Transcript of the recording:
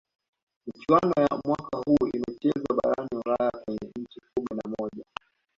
michuano ya mwaka huu imechezwa barani ulaya kwenye nchi kumi na moja